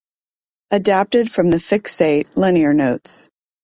Adapted from the "Fixate" liner notes.